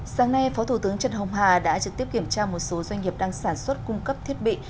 sáng nay phó thủ tướng trần hồng hà đã trực tiếp kiểm tra một số doanh nghiệp đang sản xuất cung cấp thiết bị